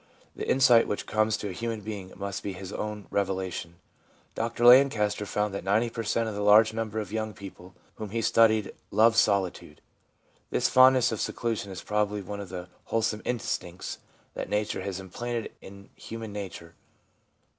The insight which comes to a human being must be his own revelation. Dr Lancaster found that 90 per cent, of the large number of young people whom he studied loved solitude ; this fondness of seclusion is probably one of the wholesome instincts that nature has implanted in human nature.